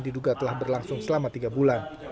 diduga telah berlangsung selama tiga bulan